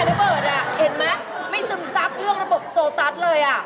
เจ๊เห็นไหมไม่ซึมซับเรื่องระบบโซตัสเลย